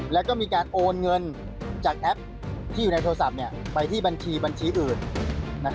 แล้วก็มีการโอนเงินจากแอปที่อยู่ในโทรศัพท์ไปที่บัญชีบัญชีอื่น